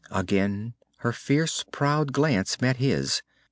Again her fierce, proud glance met his.